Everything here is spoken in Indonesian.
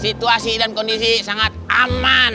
situasi dan kondisi sangat aman